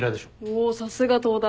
おさすが東大。